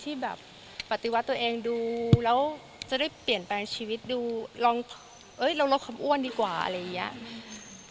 ที่แบบปฏิวัติตัวเองดูแล้วจะได้เปลี่ยนแปลงชีวิตดูลองเอ้ยเราลดคำอ้วนดีกว่าอะไรอย่างนี้